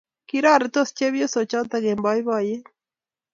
Kororitos chepyosochotok eng' poipoyet